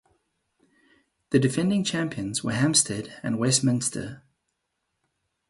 The defending champions were Hampstead and Westminster.